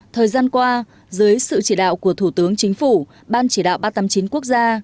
thời gian qua dưới sự chỉ đạo của thủ tướng chính phủ ban chỉ đạo ba trăm tám mươi chín quốc gia